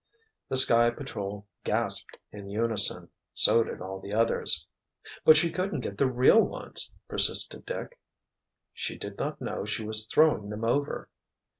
The Sky Patrol gasped in unison. So did all the others. "But she couldn't get the real ones!" persisted Dick. "She did not know she was throwing them over!"